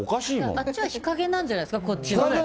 あっちは日陰なんじゃないですか、こっちが。